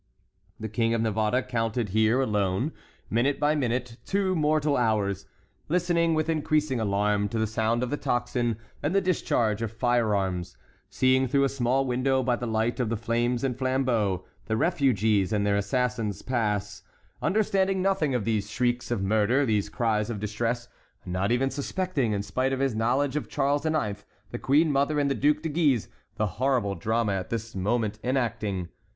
The King of Navarre counted here alone, minute by minute, two mortal hours; listening, with increasing alarm, to the sound of the tocsin and the discharge of fire arms; seeing through a small window, by the light of the flames and flambeaux, the refugees and their assassins pass; understanding nothing of these shrieks of murder, these cries of distress,—not even suspecting, in spite of his knowledge of Charles IX., the queen mother, and the Duc de Guise, the horrible drama at this moment enacting.